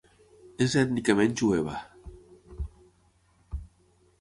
És ètnicament jueva.